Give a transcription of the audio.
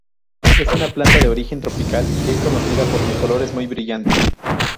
Es una planta de origen tropical que es conocida por sus colores muy brillantes.